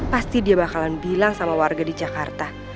pasti dia bakalan bilang sama warga di jakarta